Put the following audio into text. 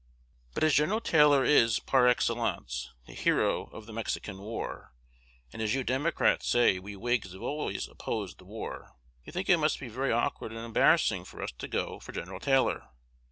But as Gen. Taylor is, par excellence, the hero of the Mexican War, and as you Democrats say we Whigs have always opposed the war, you think it must be very awkward and embarrassing for us to go for Gen. Taylor.